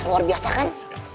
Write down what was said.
luar biasa kan